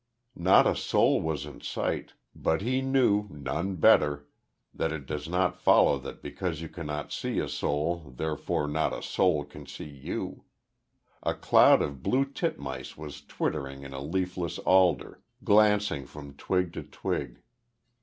Not a soul was in sight, but he knew, none better, that it does not follow that because you cannot see a soul therefore not a soul can see you. A cloud of blue titmice was twittering in a leafless alder, glancing from twig to twig.